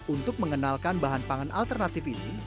untuk mengenalkan bahan pangan alternatif ini